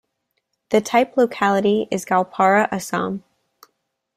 The type locality is "Goalpara, Assam".